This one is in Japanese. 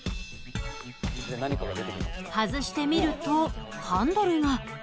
外してみるとハンドルが。